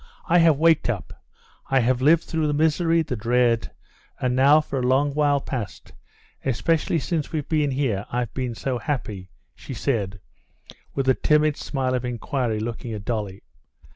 I have waked up. I have lived through the misery, the dread, and now for a long while past, especially since we've been here, I've been so happy!..." she said, with a timid smile of inquiry looking at Dolly.